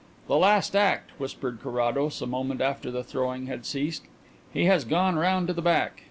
"The last act," whispered Carrados, a moment after the throwing had ceased. "He has gone round to the back.